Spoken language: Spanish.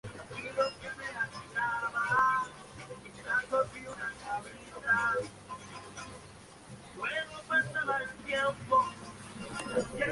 Stu G está casado con Karen, con la quien tiene dos hijas.